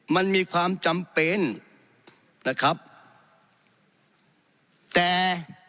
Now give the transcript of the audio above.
มันมีความจำเป็นนะครับแต่